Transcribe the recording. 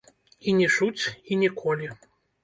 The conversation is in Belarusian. І нічуць, і ніколі.